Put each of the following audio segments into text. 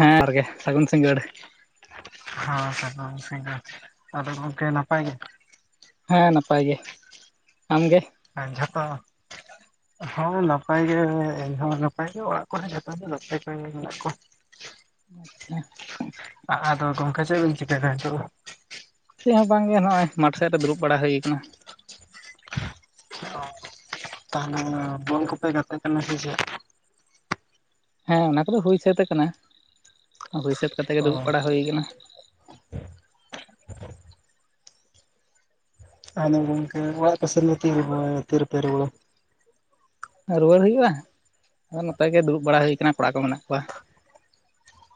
ᱦᱮᱸ ᱡᱚᱦᱟᱨ ᱜᱮ ᱥᱟᱹᱜᱩᱱ ᱥᱤᱸᱜᱟᱹᱲ ᱦᱮ ᱥᱟᱜᱩᱱ ᱥᱤᱜᱟᱹᱲ ᱟᱫᱚ ᱜᱚᱝᱠᱮ ᱱᱟᱯᱟᱭ ᱜᱮ ᱦᱮᱸ ᱱᱟᱯᱟᱭ ᱜᱮ ᱟᱢ ᱜᱮ ᱟᱨ ᱡᱷᱚᱛᱚ ᱦᱳᱭ ᱱᱟᱯᱟᱭ ᱜᱮ ᱤᱧᱦᱚᱸ ᱱᱟᱯᱟᱭ ᱜᱮ ᱚᱲᱟᱜ ᱠᱚᱨᱮ ᱡᱚᱛᱚ ᱜᱮ ᱱᱟᱯᱟᱭ ᱜᱮ ᱢᱮᱱᱟᱜ ᱠᱚᱣᱟ ᱟᱪᱪᱷᱟ ᱟᱫᱚ ᱜᱚᱢᱠᱮ ᱪᱮᱫ ᱵᱤᱱ ᱪᱤᱠᱟᱭᱫᱟ ᱱᱤᱛᱚᱜ ᱫᱚ ᱪᱮᱫ ᱦᱚᱸ ᱵᱟᱝᱜᱮ ᱱᱚᱜᱼᱚᱭ ᱢᱟᱴᱷ ᱥᱮᱫ ᱨᱮ ᱫᱩᱲᱩᱵ ᱵᱟᱲᱟ ᱦᱩᱭ ᱟᱠᱟᱱᱟ ᱛᱟᱦᱞᱮ ᱵᱚᱞ ᱠᱚᱯᱮ ᱜᱟᱛᱮᱜ ᱠᱟᱱᱟ ᱥᱮ ᱪᱮᱫ ᱦᱮᱸ ᱚᱱᱟ ᱠᱚᱫᱚ ᱦᱩᱭ ᱥᱟᱹᱛ ᱟᱠᱟᱱᱟ ᱦᱩᱭ ᱥᱟᱹᱛ ᱠᱟᱛᱮ ᱜᱮ ᱚ ᱫᱩᱲᱩᱵ ᱵᱟᱲᱟ ᱦᱩᱭ ᱟᱠᱟᱱᱟ ᱟᱫᱚ ᱜᱚᱢᱠᱮ ᱚᱲᱟᱜ ᱥᱮᱱᱠᱚ ᱛᱤᱨᱮ ᱯᱮ ᱨᱩᱣᱟᱹᱲᱟ ᱛᱤᱨᱮ ᱯᱮ ᱨᱩᱣᱟᱹᱲᱟ ᱨᱩᱣᱟᱹᱲ ᱦᱩᱭᱩᱜᱼᱟ ᱟᱫᱚ ᱱᱚᱛᱮ ᱜᱮ ᱫᱩᱲᱩᱵ ᱵᱟᱲᱟ ᱦᱩᱭ‌ ᱠᱟᱱᱟ ᱠᱚᱲᱟ ᱠᱚ ᱢᱮᱱᱟᱜ ᱠᱚᱣᱟ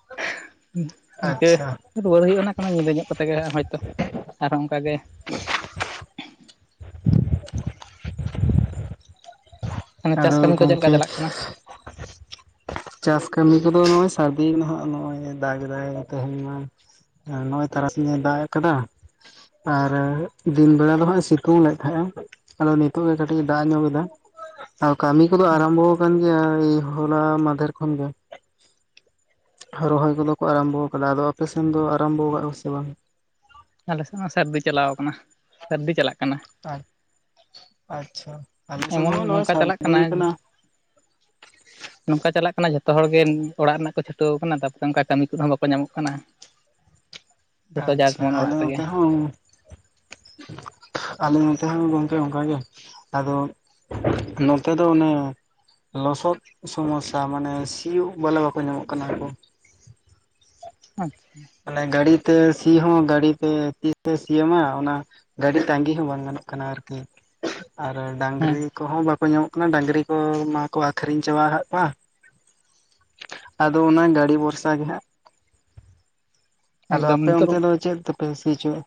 [inaudible] ᱤᱱᱠᱟᱹ ᱟᱪᱪᱷᱟ ᱨᱩᱣᱟᱹᱲ ᱦᱩᱭᱩᱜᱼᱟ ᱚᱱᱟ ᱠᱟᱱᱟ ᱧᱤᱫᱟᱹ ᱧᱚᱜ ᱠᱟᱛᱮ ᱜᱮ ᱦᱚᱭᱛᱚ ᱟᱨᱦᱚᱸ ᱚᱱᱠᱟ ᱜᱮ ᱟᱫᱚ ᱪᱟᱹᱥ ᱠᱟᱹᱢᱤ ᱠᱚ ᱪᱮᱫ ᱞᱮᱠᱟ ᱜᱚᱝᱠᱮ ᱪᱟᱞᱟᱜ ᱠᱟᱱᱟ ᱪᱟᱥ ᱠᱟᱹᱢᱤ ᱠᱚᱫᱚ ᱱᱚᱜᱚᱭ ᱥᱟᱹᱨᱫᱤ ᱱᱟᱦᱟᱜ ᱱᱚᱜᱚᱭ ᱫᱟᱜ ᱮᱫᱟᱭ ᱛᱮᱦᱮᱱ ᱢᱟ ᱱᱚᱜᱼᱚᱭ ᱛᱟᱨᱟᱥᱤᱧ ᱮ ᱫᱟᱜ ᱟᱠᱟᱫᱟ ᱟᱨ ᱫᱤᱱ ᱵᱮᱲᱟ ᱫᱚ ᱦᱟᱸᱜᱼᱟ ᱮ ᱥᱤᱛᱩᱝ ᱞᱮᱫ ᱛᱟᱦᱮᱸᱜᱼᱟ ᱟᱫᱚ ᱱᱤᱛᱚᱜ ᱜᱮ ᱠᱟᱴᱤᱡ ᱮ ᱫᱟᱜ ᱧᱚᱜ ᱮᱫᱟ ᱟᱨ ᱠᱟᱹᱢᱤ ᱠᱚᱫᱚ ᱟᱨᱟᱢᱵᱚ ᱟᱠᱟᱱ ᱜᱮᱭᱟ ᱮᱭ ᱦᱚᱞᱟ ᱢᱟᱫᱷᱮᱨ ᱠᱷᱚᱱ ᱜᱮ ᱨᱚᱦᱚᱭ ᱠᱚᱫᱚ ᱠᱚ ᱟᱨᱟᱢᱵᱚ ᱟᱠᱟᱫᱟ ᱟᱫᱚ ᱟᱯᱮᱥᱮᱱ ᱫᱚ ᱟᱨᱟᱢᱵᱚ ᱟᱠᱟᱫ ᱟᱠᱚ ᱥᱮ ᱵᱟᱝ ᱟᱞᱮ ᱥᱮᱫ ᱢᱟ ᱥᱟᱹᱨᱫᱤ ᱪᱟᱞᱟᱣ ᱠᱟᱱᱟ ᱥᱟᱹᱨᱫᱤ ᱪᱟᱞᱟᱜ ᱠᱟᱱᱟ ᱟ ᱟᱪᱪᱷᱟ ᱟᱨ ᱟᱞᱮᱥᱮᱱ ᱮᱢᱚᱱ ᱦᱚᱸ ᱱᱚᱜᱚᱭ ᱱᱚᱝᱠᱟ ᱪᱟᱞᱟᱜ ᱥᱟᱨᱫᱤ ᱠᱟᱱᱟ ᱟᱠᱟᱱᱟ [inaudible] ᱱᱚᱝᱠᱟ ᱪᱟᱞᱟᱜ ᱠᱟᱱᱟ ᱡᱷᱚᱛᱚ ᱦᱚᱲ ᱜᱮ ᱚᱲᱟᱜ ᱨᱮᱱᱟᱜ ᱠᱚ ᱪᱷᱩᱴᱟᱹᱣ ᱠᱟᱱᱟ ᱛᱟ ᱯᱚᱨᱮ ᱚᱱᱠᱟ ᱠᱟᱹᱢᱤ ᱠᱚᱦᱚᱸ ᱵᱟᱠᱚ ᱧᱟᱢᱚᱜ ᱠᱟᱱᱟ ᱡᱚᱛᱚ ᱡᱟᱨ ᱟᱪᱪᱷᱟ ᱡᱮᱢᱚᱱ ᱟᱞᱮ ᱚᱲᱟᱜ ᱨᱮᱜᱮ ᱱᱚᱛᱮ ᱦᱚᱸ ᱟᱞᱮ ᱱᱚᱛᱨ ᱦᱚᱸ ᱜᱚᱝᱠᱮ ᱚᱱᱠᱟ ᱜᱮ ᱟᱫᱚ ᱱᱚᱛᱮ ᱫᱚ ᱚᱱᱮ ᱞᱚᱥᱚᱫ ᱥᱚᱢᱚᱥᱥᱟ ᱢᱟᱱᱮ ᱥᱤᱭᱚᱜ ᱵᱚᱞᱮ ᱵᱟᱠᱚ ᱧᱟᱢᱚᱜ ᱠᱟᱱᱟ ᱠᱚ ᱟᱪᱪᱷᱟ ᱛᱟᱦᱚᱞᱮ ᱜᱟᱲᱤ ᱛᱮ ᱥᱤ ᱦᱚᱸ ᱜᱟᱲᱤ ᱛᱮ ᱛᱤᱨᱮ ᱥᱤ ᱟᱢᱟᱭ ᱚᱱᱟ ᱜᱟᱹᱰᱤ ᱛᱟᱸᱜᱤ ᱦᱚᱸ ᱵᱟᱝ ᱜᱟᱱᱚᱜ ᱠᱟᱱᱟ ᱟᱨᱠᱤ ᱟᱨ ᱦᱮᱸ ᱰᱟᱹᱝᱨᱤ ᱠᱚᱦᱚᱸ ᱵᱟᱠᱚ ᱧᱟᱢᱚᱜ ᱠᱟᱱᱟ ᱰᱟᱹᱝᱨᱤ ᱠᱚ ᱢᱟᱠᱚ ᱟᱠᱷᱨᱤᱧ ᱪᱟᱵᱟ ᱟᱠᱟᱫ ᱠᱚᱣᱟ ᱟᱫᱚ ᱚᱱᱟ ᱜᱟᱹᱲᱤ ᱵᱷᱚᱨᱥᱟ ᱜᱮ ᱦᱟᱸᱜ ᱟᱫᱚ ᱮᱠᱫᱚᱢ ᱟᱯᱮ ᱱᱤᱛᱚᱜ ᱚᱱᱛᱮ ᱫᱚ ᱪᱮᱫ ᱛᱮᱯᱮ ᱥᱤ ᱦᱚᱪᱚᱭ ᱮᱫᱟ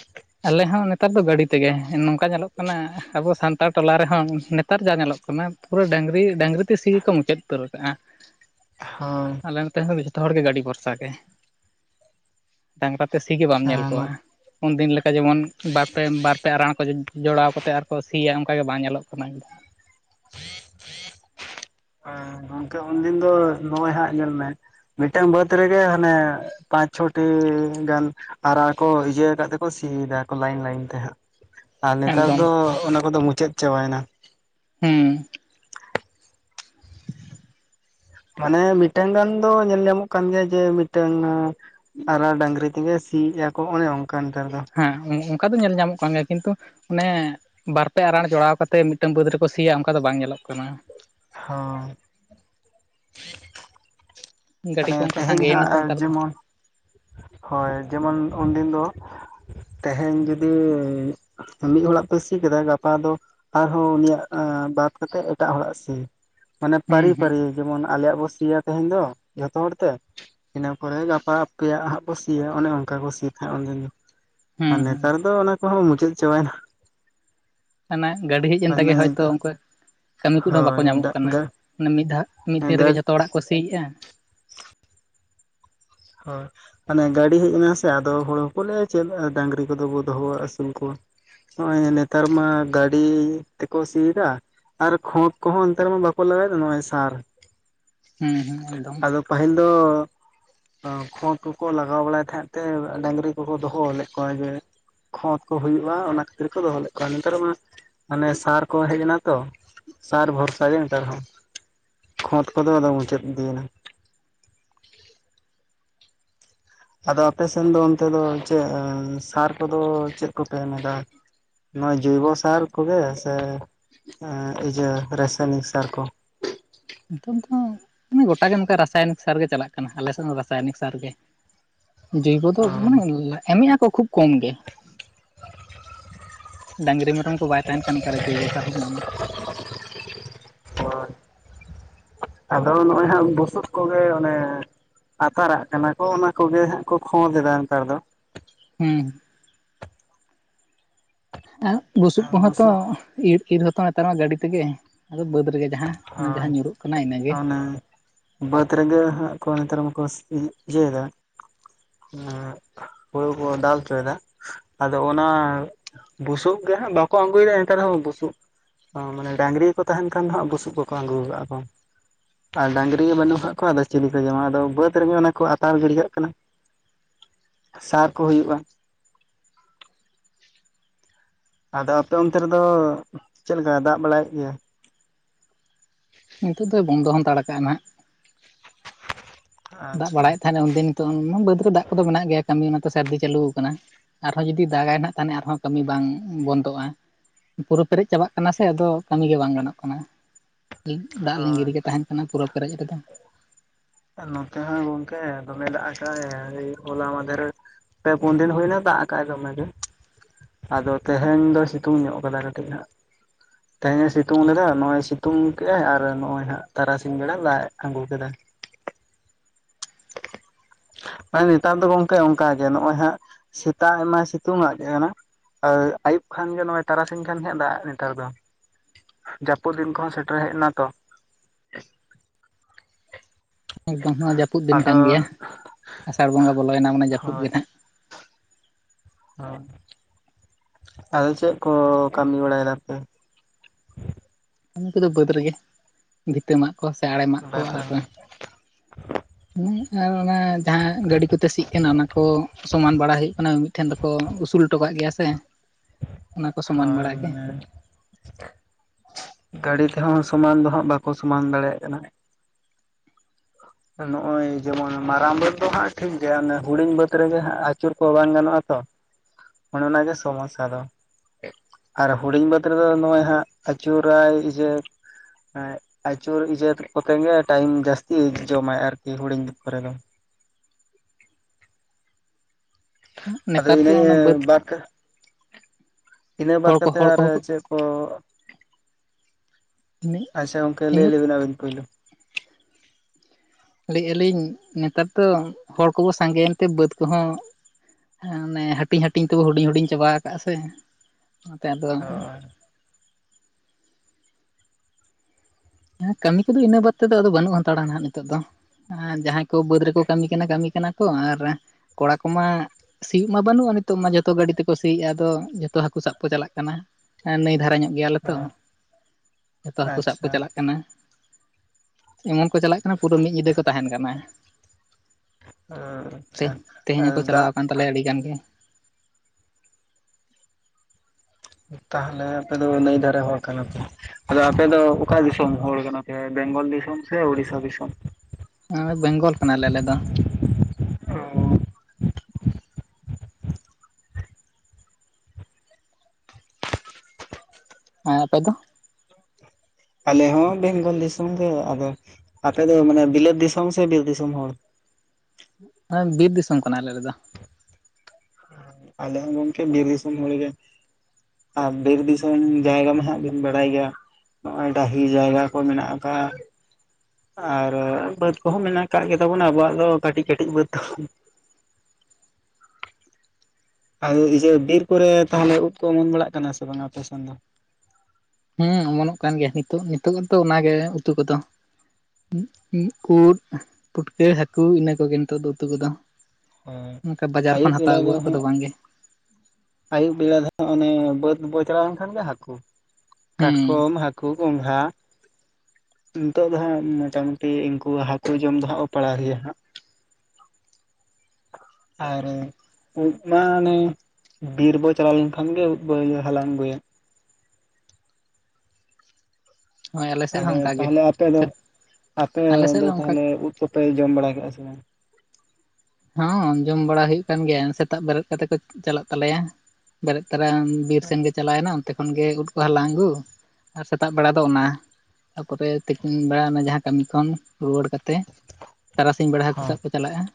[unintelligible] ᱟᱞᱮ ᱦᱚᱸ ᱱᱮᱛᱟᱨ ᱫᱚ ᱜᱟᱹᱰᱤ ᱛᱮᱜᱮ ᱱᱚᱝᱠᱟ ᱧᱮᱞᱚᱜ ᱠᱟᱱᱟ ᱟᱵᱚ ᱥᱟᱱᱛᱟᱲ ᱴᱚᱞᱟ ᱨᱮᱦᱚᱸ ᱱᱮᱛᱟᱨ ᱡᱟ ᱧᱮᱞᱚᱜ ᱠᱟᱱᱟ ᱯᱩᱨᱟᱹ ᱰᱟᱝᱨᱤ ᱰᱟᱝᱨᱤ ᱛᱮ ᱥᱤ ᱜᱮᱠᱚ ᱢᱩᱪᱟᱹᱫ ᱩᱛᱟᱹᱨ ᱠᱟᱜᱼᱟ ᱦᱳᱭ ᱟᱞᱮ ᱱᱚᱛᱮ ᱦᱚᱸ ᱡᱚᱛᱚ ᱦᱚᱲᱜᱮ ᱜᱟᱹᱰᱤ ᱵᱷᱚᱨᱥᱟ ᱜᱮ ᱰᱟᱝᱨᱟ ᱛᱮ ᱥᱤ ᱜᱮ ᱵᱟᱢ ᱧᱮᱞ ᱠᱚᱣᱟ ᱦᱳᱭ ᱩᱱᱫᱤᱱ ᱞᱮᱠᱟ ᱡᱮᱢᱚᱱ ᱵᱟᱨᱯᱮ ᱵᱟᱨᱯᱮ ᱟᱨᱟᱶ ᱠᱚ ᱡᱚᱲᱟᱣ ᱠᱟᱛᱮ ᱟᱨᱠᱚ ᱥᱤᱭᱟ ᱚᱱᱠᱟᱟᱜ ᱜᱮ ᱵᱟᱝ ᱧᱮᱞᱚᱜ ᱠᱟᱱᱟ ᱮᱠᱫᱚᱢ [inaudible] ᱦᱮᱸ ᱜᱚᱝᱠᱮ ᱩᱱᱫᱤᱱ ᱫᱚ ᱱᱩᱭᱼᱚᱜ ᱧᱮᱞ ᱢᱮ ᱢᱤᱫᱴᱟᱝ ᱵᱟᱹᱫ ᱨᱮᱜᱮ ᱦᱟᱱᱮ ᱯᱟᱸᱪ ᱪᱷᱚᱴᱤ ᱜᱟᱱ ᱟᱨᱟᱲ ᱟᱠᱚ ᱤᱭᱟᱹ ᱟᱠᱟᱫ ᱛᱮᱠᱚ ᱥᱤ ᱫᱟᱠᱚ ᱞᱟᱭᱤᱱ ᱞᱟᱭᱤᱱ ᱛᱮ ᱦᱟᱸᱜ ᱟᱨ ᱱᱮᱛᱟᱨ ᱮᱠᱫᱚᱢ ᱫᱚ ᱚᱱᱟ ᱠᱚᱫᱚ ᱢᱩᱪᱟᱹᱫ ᱪᱟᱵᱟᱭ ᱮᱱᱟ ᱦᱩᱸ ᱢᱟᱱᱮ ᱢᱤᱫᱴᱟᱝ ᱜᱟᱱ ᱫᱚ ᱧᱮᱞ ᱧᱟᱢᱚᱜ ᱠᱟᱱ ᱜᱮᱭᱟ ᱡᱮ ᱢᱤᱫᱴᱟᱝ ᱟᱨᱟᱜ ᱰᱟᱝᱨᱤ ᱛᱮᱜᱮ ᱥᱤ ᱭᱮᱫᱟ ᱠᱚ ᱚᱱᱮ ᱚᱱᱠᱟ ᱱᱮᱛᱟᱨ ᱫᱚ ᱦᱮᱸ ᱚᱱᱠᱟ ᱫᱚ ᱧᱮᱞ ᱧᱟᱢᱚᱜ ᱠᱟᱱ ᱜᱮᱭᱟ ᱠᱤᱱᱛᱩ ᱚᱱᱮ ᱵᱟᱨᱯᱮ ᱟᱨᱟᱲ ᱡᱚᱲᱟᱣ ᱠᱟᱛᱮᱜ ᱢᱤᱫᱴᱟᱝ ᱵᱟᱹᱫᱽ ᱨᱮᱠᱚ ᱥᱤᱭᱟ ᱚᱱᱠᱟ ᱫᱚ ᱵᱟᱝ ᱧᱮᱞᱚᱜ ᱠᱟᱱᱟ ᱦᱚᱸ ᱜᱟᱹᱰᱤ ᱠᱚ ᱢᱟᱱᱮ ᱚᱱᱠᱟ ᱛᱮᱦᱮᱧ ᱥᱟᱸᱜᱮᱭᱮᱱᱟ ᱦᱟᱸᱜ ᱱᱮᱛᱟᱨ ᱫᱚ ᱡᱮᱢᱚᱱ ᱦᱳᱭ ᱡᱮᱢᱚᱱ ᱩᱱᱫᱤᱱ ᱫᱚ ᱛᱮᱦᱮᱧ ᱡᱩᱫᱤ ᱢᱤᱫ ᱦᱚᱲᱟᱜ ᱯᱮ ᱥᱤ ᱠᱮᱫᱟ ᱜᱟᱯᱟ ᱫᱚ ᱟᱨᱦᱚᱸ ᱩᱱᱤᱭᱟᱜ ᱵᱟᱫ ᱠᱟᱛᱮᱫ ᱮᱴᱟᱜ ᱦᱚᱲᱟᱜ ᱥᱤ ᱢᱟᱱᱮ ᱦᱩᱸ ᱯᱟᱨᱤ ᱦᱩᱸ ᱯᱟᱨᱤ ᱡᱮᱢᱚᱱ ᱟᱞᱮᱭᱟᱜ ᱵᱚ ᱥᱤᱭᱟ ᱛᱟᱦᱮᱱ ᱫᱚ ᱡᱷᱚᱛᱚ ᱦᱚᱲ ᱛᱮ ᱤᱱᱟᱹ ᱯᱚᱨᱮ ᱜᱟᱯᱟ ᱟᱯᱮᱭᱟᱜ ᱦᱟᱸᱜ ᱦᱚᱸᱠᱚ ᱥᱤᱭᱟ ᱚᱱᱮ ᱚᱱᱠᱟ ᱠᱚ ᱥᱤᱭ ᱛᱟᱦᱮᱸᱜ ᱩᱱᱫᱤᱱ ᱫᱚ ᱦᱩᱸ ᱟᱨ ᱦᱩᱸ ᱱᱮᱛᱟᱨ ᱫᱚ ᱚᱱᱟ ᱚ ᱢᱩᱪᱟᱹᱫ ᱪᱟᱵᱟᱭ ᱮᱱᱟ ᱚᱱᱟ ᱜᱟᱹᱰᱤ ᱦᱮᱡ ᱮᱱ ᱛᱮᱜᱮ ᱢᱟᱱᱮ ᱦᱳᱭ ᱛᱚ ᱩᱱᱠᱩ ᱠᱟᱹᱢᱤ ᱠᱚᱦᱚᱸ ᱵᱟᱠᱚ ᱦᱳᱭ ᱧᱟᱢᱚᱜ ᱫᱟᱜ ᱠᱟᱱᱟ ᱫᱟᱜ ᱢᱤᱫ ᱫᱷᱟᱣ ᱢᱤᱫ ᱫᱤᱱ ᱨᱮᱜᱮ ᱜᱟᱹᱰ ᱡᱷᱚᱛᱚ ᱦᱚᱲᱟᱜ ᱠᱚ ᱥᱤᱭᱮᱜᱼᱟ ᱦᱳᱭ ᱢᱟᱱᱮ ᱜᱟᱹᱰᱤ ᱦᱮᱡ ᱮᱱᱟ ᱥᱮ ᱟᱫᱚ ᱦᱚᱲ ᱦᱚᱸᱠᱚ ᱞᱟᱹᱭᱼᱟ ᱪᱮᱫ ᱰᱟᱝᱨᱤ ᱠᱚᱫᱚ ᱵᱚ ᱫᱚᱦᱚ ᱟᱹᱥᱩᱞ ᱠᱚᱣᱟ ᱱᱚᱜᱼᱚᱭ ᱱᱮᱛᱟᱨ ᱢᱟ ᱜᱟᱹᱰᱤ ᱛᱮᱠᱚ ᱥᱤᱭᱮᱫᱟ ᱟᱨ ᱠᱷᱚᱛ ᱠᱚᱦᱚᱸ ᱚᱱᱛᱮ ᱨᱮᱢᱟ ᱵᱟᱠᱚ ᱞᱟᱜᱟᱣ ᱮᱫᱟ ᱱᱚᱜᱼᱚᱭ ᱥᱟᱨ ᱦᱩᱸ ᱦᱩᱸ ᱮᱠ ᱫᱚᱢ᱾ ᱟᱫᱚ ᱯᱟᱹᱦᱤᱞ ᱫᱚ ᱠᱷᱚᱸᱛ ᱠᱚᱠᱚ ᱞᱟᱜᱟᱣ ᱵᱟᱲᱟᱭᱮᱫ ᱛᱟᱦᱮᱸᱫ ᱛᱮ, ᱰᱟᱝᱨᱤ ᱠᱚᱠᱚ ᱫᱚᱦᱚ ᱞᱮᱫ ᱠᱚᱣᱟ ᱡᱮ ᱠᱷᱚᱸᱛ ᱠᱚ ᱦᱩᱭᱩᱜᱼᱟ, ᱚᱱᱟ ᱠᱷᱟᱹᱛᱤᱨ ᱠᱚ ᱫᱚᱦᱚ ᱞᱮᱫ ᱠᱚᱣᱟ᱾ᱱᱮᱛᱟᱨ ᱢᱟ ᱢᱟᱱᱮ ᱥᱟᱨ ᱠᱚ ᱦᱮᱡ ᱮᱱᱟ ᱛᱚ ᱥᱟᱨ ᱵᱷᱚᱨᱥᱟ ᱜᱮ ᱱᱮᱛᱟᱨ ᱦᱚᱸ ᱠᱷᱚᱸᱛ ᱠᱚᱫᱚ ᱟᱫᱚ ᱢᱩᱪᱟᱹᱫ ᱤᱫᱤᱭᱮᱱᱟ᱾ ᱟᱫᱚ ᱟᱯᱮ ᱥᱮᱱ ᱫᱚ ᱚᱱᱛᱮ ᱫᱚ ᱪᱮᱫ ᱥᱟᱨ ᱠᱚᱫᱚ ᱪᱮᱫ ᱠᱚᱯᱮ ᱮᱢᱮᱫᱟ᱾ ᱱᱚᱣᱟ ᱡᱟᱹᱭᱵᱚ ᱥᱟᱨ ᱠᱚᱜᱮ ᱥᱮ ᱮᱸ ᱤᱭᱟᱹ ᱨᱮᱥᱟᱭᱱᱤᱠ ᱥᱟᱨ ᱠᱚ᱾ ᱱᱤᱛᱚᱝ ᱫᱚ ᱢᱟᱱᱮ ᱜᱚᱴᱟ ᱜᱮ ᱚᱱᱠᱟ ᱨᱟᱥᱟᱭᱚᱱᱤᱠ ᱥᱟᱨ ᱜᱮ ᱪᱟᱞᱟᱜ ᱠᱟᱱᱟ, ᱟᱞᱮ ᱥᱮᱫ ᱦᱚᱸ ᱨᱟᱥᱟᱭᱚᱱᱤᱠ ᱥᱟᱨ ᱜᱮ᱾ ᱡᱟᱹᱭᱵᱚ ᱫᱚ ᱚ ᱢᱟᱱᱮ ᱮᱢᱮᱜ ᱟᱠᱚ ᱠᱷᱩᱵ ᱠᱚᱢ ᱜᱮ᱾ ᱰᱟᱹᱝᱨᱤ ᱢᱮᱨᱚᱢ ᱠᱚ ᱵᱟᱭ ᱛᱟᱦᱮᱱ ᱠᱷᱟᱱ ᱚᱠᱟᱨᱮ ᱡᱳᱭᱵᱚ ᱥᱟᱨ ᱦᱚᱸᱢ ᱧᱟᱢᱼᱟ ᱦᱳᱭ ᱟᱫᱚ ᱱᱚᱜᱼᱚᱭ ᱦᱟᱸᱜ ᱵᱩᱥᱩᱫ ᱠᱚᱜᱮ ᱚᱱᱮ ᱟᱛᱟᱨᱟᱜ ᱠᱟᱱᱟ ᱠᱚ, ᱚᱱᱟ ᱠᱚᱜᱮ ᱦᱟᱸᱜ ᱠᱚ ᱠᱷᱫᱽ ᱮᱫᱟ ᱱᱮᱛᱟᱨ ᱫᱚ᱾ ᱦᱩᱸ ᱟᱨ ᱵᱩᱥᱩᱯ ᱠᱚᱦᱚᱸ ᱛᱚ ᱵᱩᱥᱩᱵ ᱤᱨ ᱤᱨ ᱦᱚᱸᱛᱚ ᱱᱮᱛᱟᱨ ᱢᱟ ᱜᱟᱹᱰᱤ ᱛᱮᱜᱮ, ᱟᱫᱚ ᱵᱟᱹᱫᱽ ᱨᱮᱜᱮ ᱡᱟᱦᱟᱸ ᱚᱱᱟ ᱡᱟᱦᱟᱸ ᱧᱩᱨᱩᱜ ᱠᱟᱱᱟ ᱤᱱᱟᱹᱜᱮ ᱵᱟᱹᱛ ᱨᱮᱜᱮ ᱦᱟᱸᱜ ᱠᱚ ᱱᱮᱛᱟᱨ ᱢᱟᱠᱚ ᱥᱤ ᱤᱭᱟᱹᱭ ᱫᱟ ᱦᱩᱲᱩ ᱠᱚ ᱰᱟᱞ ᱦᱪᱚᱭᱮᱫᱟ᱾ ᱟᱫᱚ ᱚᱱᱟ ᱵᱩᱥᱩᱵ ᱜᱮ ᱦᱟᱸᱜ ᱵᱟᱠᱚ ᱟᱜᱩᱭᱮᱫᱟ᱾ ᱮᱱᱛᱮ ᱨᱮᱦᱚᱸ ᱵᱩᱥᱩᱵ ᱳ ᱢᱟᱱᱮ ᱰᱟᱝᱨᱤ ᱠᱚ ᱛᱟᱸᱦᱮᱱ ᱠᱷᱟᱱ ᱫᱚ ᱦᱟᱸᱜ, ᱵᱩᱥᱩᱵ ᱠᱚᱠᱚ ᱟᱜᱩ ᱠᱟᱜᱼᱟ ᱠᱚ᱾ ᱟᱨ ᱰᱟᱝᱨᱤ ᱵᱟᱹᱱᱩᱜ ᱠᱟᱜ ᱠᱚᱣᱟ ᱟᱫᱚ ᱪᱤᱞᱤ ᱠᱚ ᱡᱚᱢᱟ, ᱟᱫᱚ ᱵᱟᱹᱫᱽ ᱨᱮᱜᱮ ᱚᱱᱟ ᱠᱚ ᱟᱛᱟᱨ ᱜᱤᱰᱤ ᱠᱟᱜ ᱠᱟᱱᱟ᱾ [unintelligible] ᱥᱟᱨ ᱠᱚ ᱦᱩᱭᱩᱜᱼᱟ᱾ ᱟᱫᱚ ᱟᱯᱮ ᱚᱱᱛᱮ ᱨᱮᱫᱚ ᱪᱮᱫ ᱞᱮᱠᱟ ᱫᱟᱜᱽ ᱵᱟᱲᱟᱭᱮᱫ ᱜᱮᱭᱟ᱾ ᱱᱤᱛᱳᱜ ᱫᱚ ᱵᱚᱱᱫᱚ ᱦᱚᱸᱛᱟᱲ ᱠᱟᱜᱼᱟ ᱱᱟᱦᱟᱜ [unintelligible] ᱫᱟᱜ ᱟᱪᱪᱷᱟ ᱵᱟᱲᱟᱭᱮᱫ ᱛᱟᱦᱮᱸᱱᱟ ᱩᱱᱫᱤᱱ ᱱᱤᱛᱚᱜ ᱵᱟᱹᱫᱽ ᱨᱮ ᱫᱟᱜ ᱠᱚᱫᱚ ᱢᱮᱱᱟᱜ ᱜᱮᱭᱟ, ᱠᱟᱹᱢᱤ ᱚᱱᱟᱛᱮ ᱥᱟᱹᱨᱫᱤ ᱪᱟᱹᱞᱩ ᱠᱟᱱᱟ᱾ ᱟᱨᱦᱚᱸ ᱡᱩᱫᱤ ᱫᱟᱜᱟᱭ ᱱᱟᱜ ᱛᱟᱸᱦᱚᱞᱮ ᱟᱨᱦᱚᱸ ᱠᱟᱹᱢᱤ ᱵᱟᱝ ᱵᱚᱱᱫᱚᱜᱼᱟ᱾ ᱯᱩᱨᱟᱹ ᱯᱮᱨᱮᱡ ᱪᱟᱵᱟᱜ ᱠᱟᱱᱟ ᱥᱮ ᱟᱫᱚ ᱠᱟᱹᱢᱤ ᱜᱮ ᱵᱟᱝ ᱜᱟᱱᱚᱜ ᱠᱟᱱᱟ᱾ ᱫᱟᱜ ᱦᱳᱭ ᱞᱤᱸᱜᱤ ᱨᱤᱜᱤ ᱛᱟᱸᱦᱮᱱ ᱠᱟᱱᱟ ᱯᱩᱨᱟᱹ ᱯᱮᱨᱮᱡ ᱨᱮᱫᱚ ᱱᱚᱛᱮ ᱦᱚᱸ ᱜᱚᱝᱠᱮ ᱫᱚᱢᱮ ᱫᱟᱜ ᱠᱟᱜ ᱟᱭ ᱦᱳᱞᱟ ᱢᱟᱫᱷᱮᱨ ᱯᱮ-ᱯᱩᱱ ᱫᱤᱱ ᱦᱩᱭᱱᱟ ᱫᱟᱜ ᱠᱟᱜ ᱟᱭ ᱫᱚᱢᱮ ᱜᱮ ᱟᱫᱚ ᱛᱮᱦᱮᱧ ᱫᱚ ᱥᱤᱛᱩᱝ ᱧᱚᱜ ᱠᱟᱫᱟᱭ ᱠᱟᱹᱴᱤᱡ ᱦᱟᱸᱜ [inaudible] ᱛᱮᱦᱮᱧ ᱮ ᱥᱤᱛᱩᱝ ᱞᱮᱫᱟ, ᱱᱚᱜ-ᱚᱭ ᱥᱤᱛᱩᱝ ᱠᱮᱫᱟᱭ ᱟᱨ ᱱᱚᱜ-ᱚᱭ ᱦᱟᱸᱜ ᱛᱟᱨᱟᱥᱤᱧ ᱵᱮᱲᱟ ᱫᱟᱜᱽ ᱮ ᱟᱜᱩ ᱠᱮᱫᱟᱭ᱾ ᱢᱟᱱᱮ ᱱᱮᱛᱟᱨ ᱫᱚ ᱜᱚᱝᱠᱮ ᱚᱱᱠᱟ ᱜᱮ ᱱᱚᱜ-ᱚᱭ ᱦᱟᱸᱜ ᱥᱮᱛᱟᱜ ᱟᱭᱢᱟ ᱥᱤᱛᱩᱝ ᱟᱜ ᱜᱮ ᱠᱟᱱᱟ ᱟᱨ ᱟᱹᱭᱩᱵ ᱠᱷᱟᱱ ᱜᱮ ᱱᱚᱜ-ᱚᱭ ᱛᱟᱨᱟᱥᱤᱧ ᱠᱷᱟᱱ ᱜᱮ ᱫᱟᱜ ᱱᱮᱛᱟᱨ ᱫᱚ᱾ ᱡᱟᱹᱯᱩᱫ ᱫᱤᱱ ᱠᱚᱦᱚᱸ ᱥᱮᱴᱮᱨ ᱦᱮᱡᱱᱟ ᱛᱚ᱾ [inaudible] ᱮᱠᱫᱚᱢ ᱦᱚᱸ ᱡᱟᱹᱯᱩᱫ ᱫᱤᱱ ᱟᱫᱚ ᱠᱟᱱ ᱜᱮᱭᱟ᱾ᱟᱥᱟᱲ ᱵᱚᱸᱜᱟ ᱵᱚᱞᱚᱭᱮᱱᱟ ᱢᱟᱱᱮ ᱡᱟᱹᱯᱩᱫ ᱜᱮ ᱱᱟᱜ ᱦᱚ ᱟᱫᱚ ᱪᱮᱫ ᱠᱚ ᱠᱟᱹᱢᱤ ᱵᱟᱲᱟᱭ ᱫᱟᱯᱮ? ᱩᱱᱠᱩ ᱫᱚ ᱵᱟᱹᱫᱽ ᱨᱮᱜᱮ ᱵᱷᱤᱛᱟᱹ ᱢᱟᱜᱽ ᱠᱚ ᱥᱮ ᱟᱲᱮ ᱢᱟᱜᱽ ᱵᱟᱹᱫᱽ ᱠᱚᱣᱟ ᱟᱨ ᱨᱮᱜᱮ ᱩᱱ ᱟᱨ ᱚᱱᱟ ᱡᱟᱦᱟᱸ ᱜᱟᱹᱰᱤ ᱠᱚᱛᱮ ᱥᱤᱜᱽ ᱠᱟᱱᱟ ᱚᱱᱟ ᱠᱚ ᱥᱚᱢᱟᱱ ᱵᱟᱲᱟ ᱦᱩᱭᱩᱜ ᱠᱟᱱᱟ ᱢᱤᱫᱴᱷᱮᱱ ᱫᱚᱠᱚ ᱩᱥᱩᱞ ᱦᱚᱴᱚ ᱠᱟᱜ ᱜᱮᱭᱟ ᱥᱮ ᱚᱱᱟ ᱠᱚ ᱥᱚᱢᱟᱱ ᱦᱳᱭ ᱵᱟᱲᱟ ᱜᱮ ᱢᱟᱱᱮ ᱜᱟᱹᱲᱤ ᱛᱮᱦᱚᱸ ᱥᱚᱢᱟᱱ ᱫᱚ ᱦᱟᱸᱜ ᱵᱟᱠᱚ ᱥᱚᱢᱟᱱ ᱫᱟᱲᱮᱭᱟᱜ ᱠᱟᱱᱟ᱾ ᱱᱚᱜᱼᱚᱭ ᱡᱮᱢᱚᱱ ᱢᱟᱨᱟᱝ ᱵᱟᱹᱫᱽ ᱫᱚ ᱦᱟᱸᱜ ᱴᱷᱤᱠ ᱜᱮᱭᱟ ᱚᱱᱮ ᱦᱩᱰᱤᱧ ᱵᱟᱹᱫᱽ ᱨᱮᱜᱮ ᱦᱟᱸᱜ ᱟᱹᱪᱩᱨ ᱠᱚ ᱵᱟᱝ ᱜᱟᱱᱚᱜ-ᱟ᱾ ᱛᱚ ᱚᱱᱮ ᱚᱱᱟᱜᱮ ᱥᱚᱢᱚᱥᱟ ᱫᱚ᱾ ᱟᱨ ᱦᱩᱰᱤᱧ ᱵᱟᱹᱫᱽ ᱨᱮᱫᱚ ᱱᱚᱜᱼᱚᱭ ᱦᱟᱸᱜ ᱟᱹᱪᱩᱨᱟᱭ ᱤᱭᱟᱹ ᱦᱮᱸ ᱟᱹᱪᱩᱨ ᱤᱡᱟᱹ ᱠᱚᱛᱮ ᱜᱮ ᱴᱟᱭᱤᱢ ᱡᱟᱹᱥᱛᱤ ᱡᱚᱢᱟᱭ ᱟᱨᱠᱤ ᱦᱩᱰᱤᱧ ᱠᱚᱨᱮ ᱫᱚ ᱟᱫᱚ ᱱᱮᱛᱟᱨ ᱤᱱᱟ ᱫᱚ ᱚᱱᱟ ᱵᱟᱹᱫᱽ ᱵᱟᱠ ᱤᱱᱟᱹᱜ ᱵᱟᱫ ᱦᱚᱲ ᱠᱚ ᱠᱟᱛᱮᱫ ᱦᱚᱲ ᱟᱨ ᱠᱚᱦᱚᱸ ᱪᱮᱫ ᱠᱚ ᱤᱱᱟᱹ ᱟᱪᱪᱷᱟ ᱜᱚᱢᱠᱮ ᱞᱟᱹᱭ ᱞᱮᱵᱤᱱ ᱟᱵᱤᱱ ᱯᱳᱭᱞᱩ ᱞᱟᱹᱭᱮᱫ-ᱟ ᱞᱤᱧ ᱱᱮᱛᱟᱨ ᱫᱚ ᱦᱚᱲ ᱠᱚᱵᱚ ᱥᱟᱸᱜᱮᱭᱮᱱ ᱛᱮ ᱵᱟᱹᱫᱽ ᱠᱚᱦᱚᱸ ᱢᱟᱱᱮ ᱦᱟᱹᱴᱤᱧ ᱦᱟᱹᱴᱤᱧ ᱛᱮᱵᱚ ᱦᱩᱰᱤᱧ ᱦᱩᱰᱤᱧ ᱪᱟᱵᱟ ᱟᱠᱟᱜ-ᱟ ᱥᱮ ᱚᱱᱟᱛᱮ ᱟᱫᱚ ᱦᱳᱭ ᱦᱮᱸ ᱠᱟᱹᱢᱤ ᱠᱚᱫᱚ ᱤᱱᱟᱹ ᱵᱟᱫ ᱛᱮᱫᱚ ᱟᱫᱚ ᱵᱟᱹᱱᱩᱜ ᱦᱟᱛᱟᱲᱟ ᱦᱟᱸᱜ ᱱᱤᱛᱚᱜ ᱫᱚ ᱟᱨ ᱡᱟᱦᱟᱸᱭ ᱠᱚ ᱵᱟᱹᱫᱽ ᱨᱮᱠᱚ ᱠᱟ. ᱢᱤ ᱠᱟᱱᱟ ᱠᱟ. ᱢᱤ ᱠᱟᱱᱟ ᱠᱚ ᱟᱨ ᱠᱚᱲᱟ ᱠᱚ ᱢᱟ ᱥᱤᱭᱳᱜ ᱢᱟ ᱵᱟᱹᱱᱩᱜ-ᱟ ᱱᱤᱛᱚᱜ ᱢᱟ ᱡᱷᱚᱛᱚ ᱜᱟᱹᱰᱤ ᱛᱮᱠᱚ ᱥᱤᱭᱮᱜ-ᱟ ᱟᱫᱚ ᱡᱷᱚᱛᱚ ᱦᱟᱹᱠᱩ ᱥᱟᱵ ᱠᱚ ᱪᱟᱞᱟᱜ ᱠᱟᱱᱟ ᱱᱟᱹᱭ ᱫᱷᱟᱨᱟ ᱧᱚᱜ ᱜᱮᱭᱟᱞᱮ ᱛᱚ ᱦᱳᱭ ᱡᱚᱛᱚ ᱦᱟᱹᱠᱩ ᱥᱟᱵ ᱠᱚ ᱟᱪᱪᱷᱟ ᱪᱟᱞᱟᱜ ᱠᱟᱱᱟ ᱮᱢᱚᱱ ᱠᱚ ᱪᱟᱞᱟᱜ ᱠᱟᱱᱟ ᱯᱩᱨᱟᱹ ᱢᱤᱫ ᱧᱤᱫᱟᱹ ᱠᱚ ᱛᱟᱦᱮᱱ ᱠᱟᱱᱟ ᱟᱻ ᱟᱪᱪᱷᱟ ᱟᱨ ᱫᱟᱜ ᱛᱟᱞᱦᱮ ᱟᱹᱰᱤ ᱜᱟᱱ ᱜᱮ ᱛᱟᱦᱚᱞᱮ ᱟᱯᱮ ᱫᱚ ᱱᱟᱹᱭ ᱫᱷᱟᱨᱮ ᱦᱚᱲ ᱠᱟᱱᱟ ᱯᱮ? ᱟᱫᱚ ᱟᱯᱮ ᱫᱚ ᱚᱠᱟ ᱫᱤᱥᱚᱢ ᱦᱚᱲ ᱠᱟᱱᱟᱯᱮ ᱵᱮᱝᱜᱚᱞ ᱫᱤᱥᱚᱢ ᱥᱮ ᱩᱲᱤᱥᱥᱟ ᱫᱤᱥᱚᱢ ᱱᱚ ᱵᱮᱝᱜᱚᱞ ᱠᱟᱱᱟᱞᱮ ᱟᱞᱮ ᱫᱚ ᱮᱸ ᱟᱯᱮ ᱫᱚ ᱟᱞᱮ ᱦᱚᱸ ᱵᱮᱝᱜᱚᱞ ᱫᱤᱥᱚᱢ ᱜᱮ ᱟᱫᱚ ᱟᱯᱮ ᱫᱚ ᱢᱟᱱᱮ ᱵᱤᱞᱟᱹᱛ ᱫᱤᱥᱚᱢ ᱥᱮ ᱵᱤᱨ ᱫᱤᱥᱚᱢ ᱦᱚᱲ ᱦᱮ ᱵᱤᱨ ᱫᱤᱥᱚᱢ ᱠᱟᱱᱟᱞᱮ ᱟᱞᱮ ᱫᱚ ᱟᱞᱮ ᱦᱚᱸ ᱜᱚᱝᱠᱮ ᱵᱤᱨ ᱫᱤᱥᱚᱢ ᱦᱚᱲ ᱜᱮ ᱟᱨ ᱵᱤᱨ ᱫᱤᱥᱚᱢ ᱡᱟᱭᱜᱟ ᱢᱟ ᱦᱟᱸᱜ ᱵᱤᱱ ᱵᱟᱲᱟᱭ ᱜᱮᱭᱟ ᱱᱚᱜ-ᱚᱭ ᱰᱟᱹᱦᱤ ᱡᱟᱭᱜᱟ ᱠᱚ ᱢᱮᱱᱟᱜ ᱟᱠᱟᱜ-ᱟ ᱟᱨ ᱵᱟᱹᱫ ᱠᱚᱦᱚᱸ ᱢᱮᱱᱟᱜ ᱟᱠᱟᱫ ᱜᱮᱛᱟ ᱵᱚᱱᱟ ᱟᱵᱚᱣᱟᱜ ᱫᱚ ᱠᱟᱹᱴᱤᱡ ᱠᱟᱹᱴᱤᱡ ᱵᱟᱹᱫ ᱛᱚ ᱟ ᱤᱭᱟᱹ ᱵᱤᱨ ᱠᱚᱨᱮ ᱛᱟᱦᱚᱞᱮ ᱩᱫ ᱠᱚ ᱚᱢᱚᱱ ᱵᱟᱲᱟᱜ ᱠᱟᱱᱟ ᱥᱮ ᱵᱟᱝ ᱟᱯᱮᱥᱮᱱ ᱫᱚ ᱦᱩᱸ ᱚᱢᱚᱱᱚᱜ ᱠᱟᱱ ᱜᱮᱭᱟ ᱱᱤᱛᱚᱜ ᱱᱤᱛᱚᱜ ᱜᱮᱛᱚ ᱚᱱᱟᱜᱮ ᱩᱛᱩ ᱠᱚᱛᱚ ᱩᱸ ᱩᱸ ᱠᱩᱫ ᱯᱩᱴᱠᱟᱹ ᱦᱟᱹᱠᱩ ᱤᱱᱟᱹ ᱠᱚᱜᱮ ᱱᱤᱛᱚᱜ ᱫᱚ ᱩᱛᱩ ᱠᱚᱫᱚ ᱦᱳᱭ ᱚᱱᱠᱟ ᱵᱟᱡᱟᱨ ᱟᱹᱭᱩᱵ ᱠᱷᱚᱱ ᱦᱟᱛᱟᱣ ᱵᱮᱲᱟ ᱫᱚ ᱟᱹᱜᱩᱣᱟᱜ ᱦᱟᱸᱜ ᱠᱚᱫᱚ ᱵᱟᱝᱜᱮ ᱟᱹᱭᱩᱵ ᱵᱮᱲᱟ ᱫᱚ ᱚᱱᱮ ᱵᱟᱹᱫᱽ ᱵᱚ ᱪᱟᱞᱟᱣ ᱞᱮᱱ ᱠᱷᱟᱱ ᱜᱮ ᱦᱟᱹᱠᱩ ᱦᱩᱸ ᱠᱟᱴᱠᱚᱢ ᱦᱟᱹᱠᱩ ᱜᱚᱸᱜᱷᱟ ᱱᱤᱛᱚᱜ ᱫᱚ ᱦᱟᱸᱜ ᱢᱚᱴᱟ ᱢᱩᱩᱴᱤ ᱩᱱᱠᱩ ᱦᱟᱹᱠᱩ ᱡᱚᱢ ᱫᱚ ᱦᱟᱸᱜ ᱯᱟᱲᱟ ᱦᱩᱭᱩᱜᱭᱟ ᱦᱟᱸᱜ᱾ ᱟᱨ ᱩᱵ ᱢᱟ ᱟᱱᱮ ᱵᱤᱨ ᱵᱚ ᱪᱟᱞᱟᱣ ᱞᱮᱱᱠᱷᱟᱱᱜᱤ ᱩᱵ ᱵᱚ ᱦᱟᱞᱟᱝ ᱟᱹᱜᱩᱭᱟ᱾ ᱦᱳᱭ ᱟᱞᱮ ᱥᱮᱫ ᱟᱫᱚ ᱦᱚᱸ ᱚᱱᱠᱟ ᱜᱮ ᱛᱟᱦᱚᱞᱮ ᱟᱯᱮ ᱫᱚ ᱟᱯᱮ ᱟᱞᱮ ᱥᱮᱫ ᱫᱚ ᱚᱱᱠᱟ ᱛᱟᱦᱚᱞᱮ ᱩᱫ ᱠᱚᱯᱮ ᱡᱚᱢ ᱵᱟᱲᱟ ᱠᱮᱫᱼᱟ ᱥᱮ ᱵᱟᱝ? ᱦᱚᱸ ᱡᱚᱢ ᱵᱟᱲᱟ ᱦᱩᱭᱩᱜ ᱠᱟᱱ ᱜᱮᱭᱟ ᱥᱮᱛᱟᱜ ᱵᱮᱨᱮᱫ ᱠᱟᱛᱮ ᱠᱚ ᱪᱟᱞᱟᱜ ᱛᱟᱞᱮᱭᱟ ᱵᱮᱨᱮᱫ ᱛᱟᱨᱟ᱾ ᱵᱤᱨ ᱥᱮᱱ ᱜᱮ ᱪᱟᱞᱟᱣᱮᱱᱟ ᱚᱱᱛᱮ ᱠᱷᱚᱱᱜᱮ ᱩᱫ ᱠᱚ ᱦᱟᱞᱟᱝ ᱟᱹᱜᱩ ᱟᱨ ᱥᱮᱛᱟᱜ ᱵᱮᱲᱟ ᱫᱚ ᱚᱱᱟ ᱛᱟᱯᱚᱨᱮ ᱛᱤᱠᱤᱱ ᱵᱟᱲᱟ ᱚᱱᱟ ᱡᱟᱦᱟᱸ ᱠᱟᱹᱢᱤ ᱠᱷᱚᱱ ᱨᱩᱣᱟᱹᱲ ᱠᱟᱛᱮ᱾ ᱛᱟᱨᱟᱥᱤᱧ ᱵᱮᱲᱟ ᱦᱟᱹᱠᱩ ᱥᱟᱵ ᱦᱚᱸ ᱠᱚ ᱪᱟᱞᱟᱜᱼᱟᱹ ᱾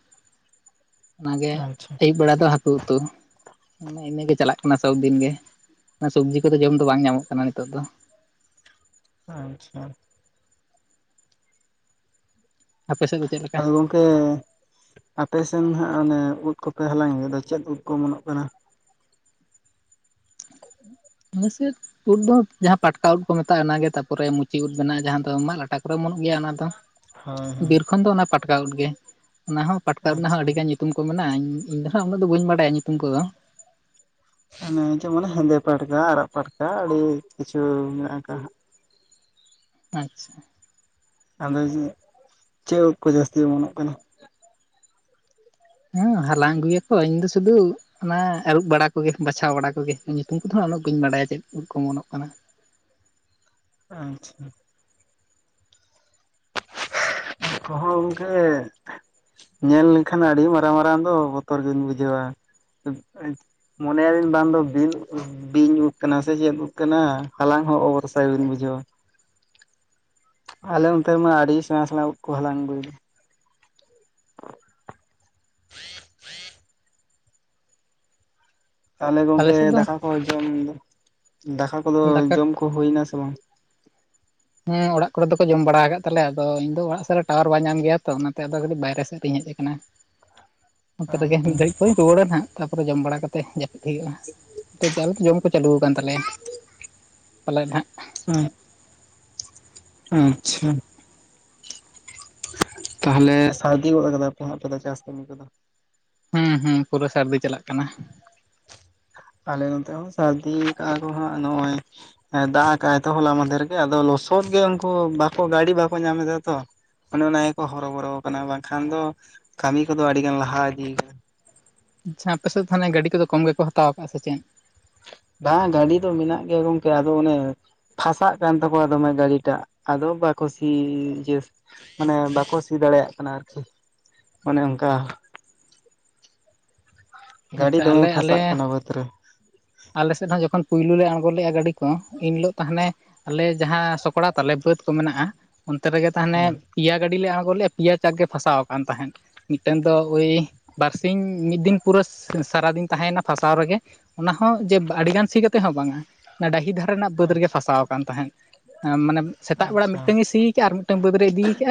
ᱚᱱᱟᱜᱮ ᱟᱪᱪᱷᱟ ᱟᱹᱭᱩᱵ ᱵᱮᱲᱟ ᱫᱚ ᱦᱟᱹᱠᱩ ᱩᱛᱩ᱾ ᱢᱮ ᱤᱱᱟᱹᱜᱮ ᱪᱟᱞᱟᱜ ᱠᱟᱱᱟ ᱥᱚᱵᱽᱫᱤᱱ ᱜᱮ ᱥᱚᱵᱡᱤ ᱠᱚᱫᱚ ᱡᱚᱢ ᱫᱚ ᱵᱟᱝ ᱧᱟᱢᱚᱜ ᱠᱟᱱᱟ ᱱᱤᱛᱚᱜ ᱫᱚ᱾ ᱟᱪᱪᱷᱟ ᱟᱯᱮ ᱥᱮᱫ ᱫᱚ ᱪᱮᱫ ᱞᱮᱠᱟ? ᱠᱭ ᱟᱯᱮᱥᱱ ᱦᱟᱸᱜ ᱚᱱᱮ ᱩᱫ ᱠᱚᱯᱮ ᱦᱟᱞᱟᱝ ᱜᱮᱫᱚ ᱪᱮᱫ ᱩᱫ ᱠᱚ ᱚᱢᱚᱱᱚᱜ ᱠᱟᱱᱟ? ᱢᱥᱮᱛ [unintelligible] ᱩᱫ ᱫᱚ ᱡᱟᱦᱟᱸ ᱯᱟᱴᱠᱟ ᱩᱫ ᱠᱚ ᱢᱮᱛᱟᱜᱼᱟ ᱚᱱᱟᱜᱮ ᱛᱟᱯᱚᱨᱮ ᱢᱩᱪᱤ ᱩᱫ ᱢᱮᱱᱟᱜᱼᱟ ᱡᱟᱦᱟᱸ ᱫᱚ ᱢᱟᱜ ᱞᱟᱴᱟ ᱠᱚᱨᱮ ᱚᱢᱚᱱᱩᱜ ᱜᱮᱭᱟ ᱚᱱᱟ ᱫᱚ᱾ ᱦᱳᱭ ᱦᱚᱭ ᱛᱚᱠᱷᱚᱱ ᱫᱚ ᱚᱱᱟ ᱯᱟᱴᱠᱟᱣᱫ ᱜᱮ ᱚᱱᱟ ᱦᱚᱸ ᱯᱟᱴᱠᱟᱣ ᱨᱮᱱᱟᱜ ᱦᱚᱸ ᱟᱪᱪᱷᱟ ᱟᱹᱰᱤ ᱜᱟᱱ ᱧᱩᱛᱩᱢ ᱧᱩᱛᱩᱢ ᱠᱚ ᱢᱮᱱᱟᱜᱼᱟᱧ ᱤᱧᱫᱚ ᱱᱟᱦᱟᱜ ᱩᱱᱟᱹᱜ ᱫᱚ ᱵᱟᱹᱧ ᱵᱟᱲᱟᱭᱟ ᱧᱩᱛᱩᱢ ᱠᱚᱫᱚ᱾ ᱚᱱᱮ ᱡᱮᱢᱚᱱ ᱦᱮᱸᱫᱮ ᱯᱟᱲᱠᱟ ᱟᱨᱟᱜ ᱯᱟᱴᱟ ᱟᱹᱰᱤ ᱠᱤᱪᱷᱩ ᱢᱮᱱᱟᱜ ᱟᱠᱟᱜᱼᱟ ᱦᱟᱸᱜ᱾ ᱟᱪᱪᱷᱟ ᱟᱫᱚ ᱡᱮ ᱪᱮᱫ ᱩᱫ ᱠᱚ ᱡᱟᱹᱥᱛᱤ ᱚᱢᱚᱱᱚᱜ ᱠᱟᱱᱟ᱾ ᱦᱮᱸ ᱦᱟᱞᱟᱝᱧ ᱟᱹᱜᱩᱭᱟᱛᱚ ᱤᱧ ᱫᱚ ᱥᱩᱫᱩ ᱚᱱᱟ ᱟᱹᱨᱩᱵ ᱵᱟᱲᱟ ᱠᱚᱜᱮ ᱵᱟᱪᱷᱟᱣ ᱵᱟᱲᱟ ᱠᱚᱜᱮ ᱧᱩᱛᱩᱢ ᱠᱚᱫᱚ ᱦᱟᱸᱜ ᱩᱱᱟᱹᱜ ᱵᱟᱹᱧ ᱵᱟᱰᱟᱭᱟ ᱪᱮᱫ ᱩᱫ ᱠᱚ ᱚᱢᱚᱱᱚᱜ ᱠᱟᱱᱟ᱾ ᱟᱪᱪᱷᱟ ᱛᱚᱦᱚ ᱜᱚᱝᱠᱮ ᱧᱮᱞ ᱞᱮᱠᱷᱟᱱ ᱟᱹᱰᱤ ᱢᱟᱨᱟᱝ ᱢᱟᱨᱟᱝ ᱫᱚ ᱵᱚᱛᱚᱨ ᱜᱤ ᱵᱮᱱ ᱵᱩᱡᱷᱟᱹᱣᱟ᱾ ᱢᱚᱱᱮᱭᱟ [unintelligible] ᱫᱤᱱ ᱵᱟᱝ ᱫᱚ ᱵᱤᱱ ᱵᱤᱧ ᱩᱫ ᱟᱠᱟᱱᱟ ᱥᱮ ᱪᱮᱫ ᱩᱫ ᱟᱠᱟᱱᱟ ᱦᱟᱞᱟᱝ ᱦᱚᱸ ᱚᱵᱚᱨᱥᱟᱭ ᱵᱤᱧ ᱵᱩᱡᱷᱟᱹᱣᱟ᱾ ᱟᱞᱮ ᱚᱱᱛᱮᱢᱟ ᱟᱹᱰᱤ ᱥᱮᱬᱟ ᱥᱮᱬᱟ ᱩᱫ ᱠᱚ ᱦᱟᱞᱟᱝ ᱟᱜᱩᱭ᱾ ᱛᱟᱦᱚᱞᱮ ᱟᱞᱮ ᱜᱚᱢᱠᱮ ᱥᱮᱫ ᱫᱚ ᱫᱟᱠᱟ ᱠᱚ ᱡᱚᱢ ᱫᱟᱠᱟ ᱠᱚᱫᱚ ᱫᱟᱠᱟ ᱡᱚᱢ ᱠᱚ ᱦᱩᱭᱱᱟ ᱥᱮ ᱵᱟᱝ? ᱦᱮᱸ ᱚᱲᱟᱜ ᱠᱚᱨᱮ ᱫᱚᱠᱚ ᱡᱚᱢ ᱵᱟᱲᱟ ᱟᱠᱟᱫ ᱛᱟᱞᱮᱭᱟ ᱟᱫᱚ ᱤᱧ ᱫᱚ ᱚᱲᱟᱜ ᱥᱮᱫ ᱨᱮ ᱴᱟᱣᱟᱨ ᱵᱟᱭ ᱧᱟᱢ ᱜᱮᱭᱟ ᱛᱚ ᱚᱱᱟᱛᱮ ᱟᱫᱚ ᱠᱟᱹᱴᱤᱡ ᱵᱟᱭᱨᱮ ᱥᱮᱫ ᱨᱤᱧ ᱦᱮᱡ ᱟᱠᱟᱱᱟ᱾ ᱚᱱᱚᱛᱮ ᱨᱮᱜᱮ ᱢᱤᱫ ᱜᱷᱟᱹᱲᱤᱡ ᱠᱚᱧ ᱨᱩᱣᱟᱹᱲᱟᱹ ᱛᱟᱯᱚᱨᱮ ᱡᱚᱢ ᱵᱟᱲᱟ ᱠᱟᱛᱮ ᱡᱟᱹᱯᱤᱫ ᱦᱩᱭᱩᱜᱼᱟ᱾ [unintelligible] ᱟᱞᱮ ᱫᱚ ᱡᱚᱢ ᱠᱚ ᱪᱟᱹᱞᱩ ᱠᱟᱱᱟᱱ ᱛᱟᱞᱮᱭᱟ ᱯᱟᱞᱮᱫ ᱱᱟᱦᱜ᱾ ᱦᱮᱸ ᱟᱪᱪᱷᱟ ᱛᱟᱦᱚᱞᱮ ᱥᱟᱨᱫᱤ ᱜᱚᱫ ᱠᱟᱫᱟᱯᱮ ᱪᱟᱥ ᱠᱟᱹᱢᱤ ᱠᱚᱫᱚ᱾ ᱦᱩᱸ ᱦᱩᱸ ᱯᱩᱨᱟᱹ ᱥᱟᱹᱨᱫᱤ ᱪᱟᱞᱟᱜ ᱠᱟᱱᱟ᱾ ᱟᱞᱮ ᱱᱚᱛᱮ ᱦᱚᱸ ᱥᱟᱹᱨᱫᱤ ᱠᱟᱜ ᱠᱚ ᱦᱟᱸᱜ ᱱᱚᱭᱼᱚᱭ ᱾ ᱦᱮᱸ ᱫᱟᱜ ᱠᱟᱜᱟᱭ ᱛᱚ ᱦᱚᱞᱟ ᱢᱚᱫᱽᱫᱷᱮ ᱨᱮᱜᱮ ᱟᱫᱚ ᱞᱚᱥᱚᱫ ᱜᱮ ᱩᱱᱠᱩ ᱵᱟᱠᱚ ᱜᱟᱹᱰᱤ ᱵᱟᱠᱚ ᱧᱟᱢ ᱮᱟ ᱛᱚ᱾ ᱚᱱᱮ ᱚᱱᱟ ᱜᱮᱠᱚ ᱦᱚᱨᱚ ᱵᱚᱨᱚ ᱠᱟᱱᱟ ᱵᱟᱝᱠᱷᱟᱱ ᱫᱚ ᱠᱟᱹᱢᱤ ᱠᱚᱫᱚ ᱟᱹᱰᱤ ᱜᱟᱱ ᱞᱟᱦᱟ ᱤᱫᱤᱭᱫᱟ᱾ ᱟᱪᱪᱷᱟ ᱟᱯᱮᱥᱮᱫ ᱛᱟᱦᱮᱞᱮ ᱜᱟᱹᱰᱤ ᱠᱚᱫᱚ ᱠᱚᱢ ᱜᱮᱠᱚ ᱦᱟᱛᱟᱣ ᱟᱠᱟᱫ ᱥᱮ ᱪᱮᱫ? ᱵᱟᱝ ᱜᱟᱹᱰᱤ ᱫᱚ ᱢᱮᱱᱟᱜ ᱜᱮᱭᱟ ᱜᱚᱝᱠᱮ ᱟᱫᱚ ᱚᱱᱮ᱾ ᱯᱷᱟᱥᱟᱜ ᱠᱟᱱ ᱛᱟᱠᱚᱣᱟ ᱫᱚᱢᱮ ᱜᱟᱹᱰᱤᱴᱟᱜ ᱟᱫᱚ ᱵᱟᱠᱚ ᱥᱤ ᱢᱟᱱᱮ ᱵᱟᱠᱚ ᱥᱤ ᱫᱟᱲᱮᱭᱟᱜ ᱠᱟᱱᱟ ᱚᱱᱮ ᱚᱱᱠᱟ ᱜᱟᱹᱰᱤ ᱟᱪᱪᱷᱟ ᱫᱚᱢᱮ ᱟᱞᱮ ᱦᱚᱸᱞᱮ ᱯᱷᱟᱥᱟᱜ ᱠᱟᱱᱟ ᱵᱟᱹᱫᱽ ᱨᱮ ᱟᱞᱮᱥᱮᱫ ᱦᱚᱸ ᱡᱚᱠᱷᱚᱱ ᱯᱩᱭᱞᱩ ᱞᱮ ᱟᱬᱜᱚ ᱞᱮᱜᱼᱟᱭ ᱜᱟᱹᱰᱤ ᱠᱚ ᱤᱱ ᱦᱤᱞᱚᱜ ᱛᱟᱦᱚᱞᱮ ᱟᱞᱮ ᱡᱟᱦᱟᱸ ᱥᱚᱠᱲᱟ ᱛᱟᱞᱮ ᱵᱟᱹᱫ ᱠᱚ ᱢᱮᱱᱟᱜᱼᱟ ᱚᱱᱛᱮ ᱨᱮᱜᱮ ᱛᱟᱦᱟᱞᱮ᱾ ᱦᱮᱸ ᱯᱮᱭᱟ ᱜᱟᱹᱰᱤ ᱞᱮ ᱟᱬᱜᱚ ᱞᱮᱼᱟ ᱯᱮᱭᱟ ᱪᱟ ᱜᱮ ᱯᱷᱟᱥᱟᱣ ᱟᱠᱟᱱ ᱛᱟᱦᱮᱸᱫ᱾ ᱢᱤᱫᱴᱮᱱ ᱫᱚ ᱳᱭ ᱵᱟᱨ ᱥᱤᱧ ᱢᱤᱫ ᱫᱤᱱ᱾ ᱯᱩᱨᱟᱹ ᱥᱟᱨᱟᱫᱤᱱ ᱛᱟᱦᱮᱸᱭᱮᱱᱟ ᱯᱷᱟᱥᱟᱣ ᱨᱮᱜᱮ ᱚᱱᱟ ᱦᱚᱸ ᱡᱮ ᱟᱹᱰᱤᱜᱟᱱ ᱥᱤ ᱠᱟᱛᱮ ᱦᱚᱸ ᱵᱟᱝᱼᱟ᱾ ᱚᱱᱟ ᱰᱟᱹᱦᱤ ᱫᱷᱟᱨᱮ ᱨᱮᱱᱟᱜ ᱵᱟᱹᱫ ᱨᱮᱜᱮ ᱟᱪᱪᱷᱟ ᱯᱷᱟᱥᱟᱣ ᱟᱠ ᱠᱟᱱ ᱛᱟᱦᱮᱸᱫ ᱢᱟᱱᱮ ᱥᱮᱛᱟᱜ ᱵᱮᱲᱟ ᱟᱪᱪᱷᱟ ᱢᱤᱫᱴᱟᱝᱮ ᱥᱤ ᱠᱮᱫᱮᱜᱼᱟ ᱟᱨ ᱢᱤᱫᱟᱝ᱾ ᱵᱟᱹᱫᱽ ᱨᱮ ᱤᱫᱤ ᱠᱮᱫᱼᱟ